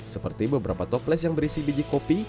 seperti beberapa toples yang berisi biji kopi